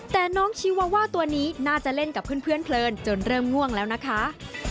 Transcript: แต่น้องชีวาว่าตัวนี้น่าจะเล่นกับเพื่อนเพลินจนเริ่มง่วงแล้วนะคะ